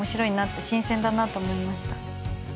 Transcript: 新鮮だなと思いました。